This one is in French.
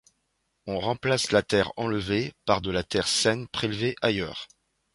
On remplace la terre enlevée par de la terre saine prélevée ailleurs.